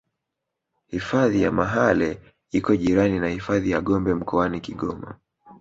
hifadhi ya mahale iko jirani na hifadhi ya gombe mkoani kigoma